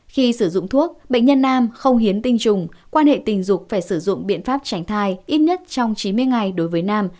khi sử dụng thuốc bệnh nhân nam không hiến tinh trùng quan hệ tình dục phải sử dụng biện pháp tránh thai ít nhất trong chín mươi ngày đối với nam